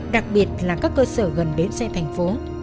đặc biệt là các cơ sở gần bến xe thành phố